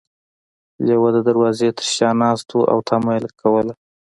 لیوه د دروازې تر شا ناست و او تمه یې کوله.